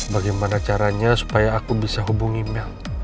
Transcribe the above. bagaimana caranya supaya aku bisa hubungi mel